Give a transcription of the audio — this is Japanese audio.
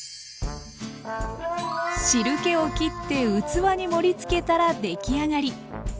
汁けをきって器に盛りつけたらできあがり。